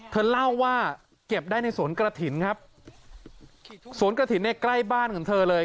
เธอเล่าว่าเก็บได้ในสวนกระถิ่นครับสวนกระถิ่นเนี่ยใกล้บ้านของเธอเลย